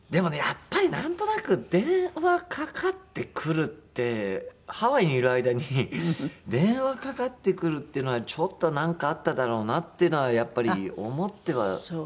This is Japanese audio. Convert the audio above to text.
やっぱりなんとなく電話かかってくるってハワイにいる間に電話かかってくるっていうのはちょっとなんかあっただろうなっていうのはやっぱり思っては電話には出てましたね